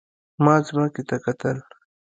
ما ځمکې ته کتل.